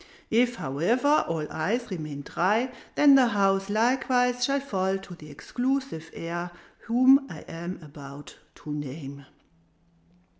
If, however, all eyes remain dry, then the house likewise shall fall to the exclusive heir whom I am about to name."